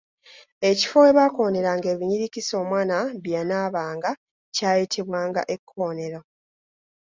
Ekifo we baakooneranga ebinyirikisi omwana bye yanaabanga kyayitibwanga ekkoonero.